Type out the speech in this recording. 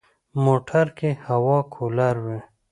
موټر کې هوا کولر وي.